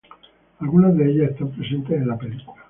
Algunas de ellas están presentes en la película.